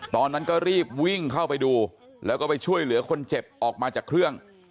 ตอนนั้นก็รีบวิ่งเข้าไปดูแล้วก็ไปช่วยเหลือคนเจ็บออกมาจากเครื่อง